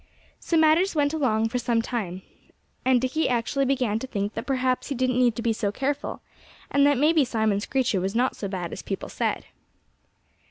So matters went along for some time. And Dickie actually began to think that perhaps he didn't need to be so careful, and that maybe Simon Screecher was not so bad as people said.